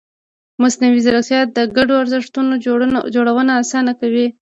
مصنوعي ځیرکتیا د ګډو ارزښتونو جوړونه اسانه کوي.